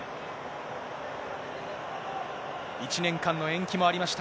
１年間の延期もありました、